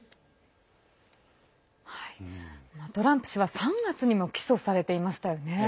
トランプ氏は３月にも起訴されていましたよね。